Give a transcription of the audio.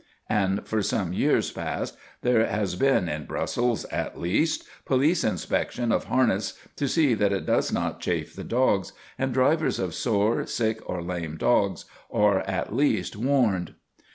And for some years past there has been, in Brussels at least, police inspection of harness to see that it does not chafe the dogs, and drivers of sore, sick, or lame dogs are at least warned.